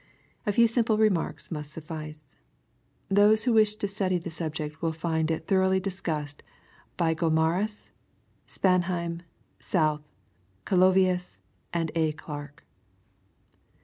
A few simple remarks must suffice. Those who wish to study the subject will find it tho* roughly discussed by Qomarus, Spanheim, South, Galovius, and A. Clark.